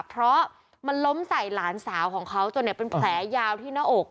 เพราะมันล้มใส่หลานสาวของเขาจนเป็นแผลยาวที่หน้าอก